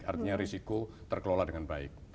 artinya risiko terkelola dengan baik